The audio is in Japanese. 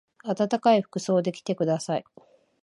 あたたかい服装で来てください。